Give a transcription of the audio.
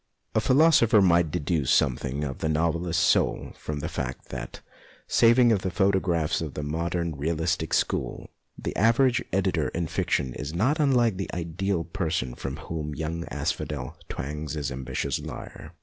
A philosopher might deduce something of 156 MONOLOGUES the novelist's soul from the fact that, saving of the photographs of the modern realistic school, the average editor in fiction is not unlike the ideal person for whom young As phodel twangs his ambitious lyre.